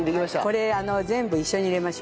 これ全部一緒に入れましょう。